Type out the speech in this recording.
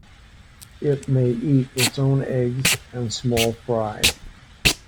It may eat its own eggs and small fry.